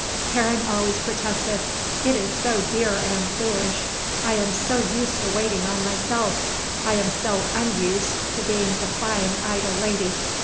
Karen always protested. "It is so dear and foolish; I am so used to waiting on myself; I am so unused to being the fine idle lady."